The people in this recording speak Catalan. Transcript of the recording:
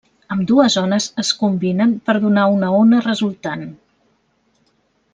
Ambdues ones es combinen per donar una ona resultant.